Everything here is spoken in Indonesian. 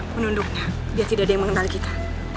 menunduknya biar tidak ada yang mengenal kita